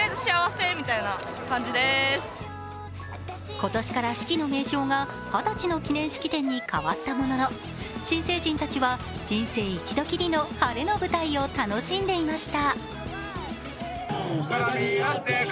今年から式の名称が二十歳の記念式典に変わったものの新成人たちは人生一度きりの晴れの舞台を楽しんでいました。